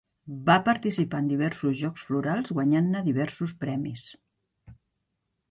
Va participar en diversos Jocs Florals guanyant-ne diversos premis.